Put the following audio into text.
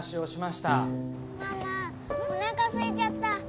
ママおなかすいちゃった。